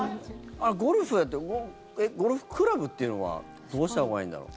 ゴルフやってゴルフクラブっていうのはどうしたほうがいいんだろう。